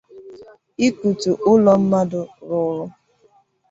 ịkutu ụlọ mmadụ rụrụ